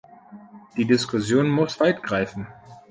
Die Diskussion muss weit greifen.